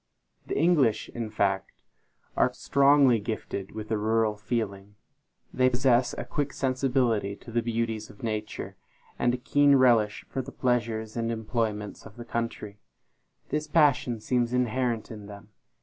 The English, in fact, are strongly gifted with the rural feeling. They possess a quick sensibility to the beauties of nature, and a keen relish for the pleasures and employments of the country. This passion seems inherent in them.